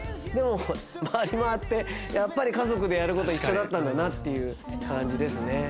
でも回り回ってやっぱり家族でやること一緒だったんだなっていう感じですね。